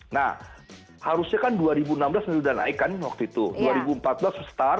nah harusnya kan dua ribu enam belas sudah naik kan waktu itu